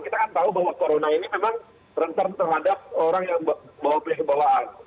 kita kan tahu bahwa corona ini memang rentan terhadap orang yang bawa penyakit bawaan